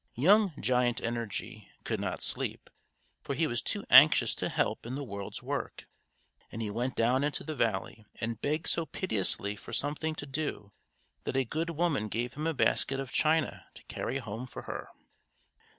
Young Giant Energy could not sleep, for he was too anxious to help in the world's work; and he went down into the valley, and begged so piteously for something to do that a good woman gave him a basket of china to carry home for her.